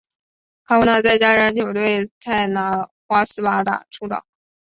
卡文拿在家乡球队泰拿华斯巴达出道。